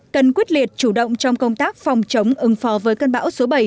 cần quyết liệt chủ động trong công tác phòng chống ứng phó với cơn bão số bảy